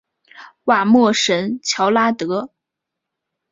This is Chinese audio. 瓦莫什乔拉德。